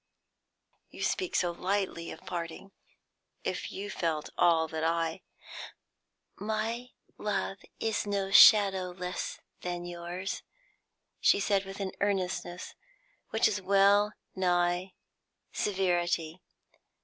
"You speak so lightly of parting. If you felt all that I " "My love is no shadow less than yours," she said, with earnestness which was well nigh severity.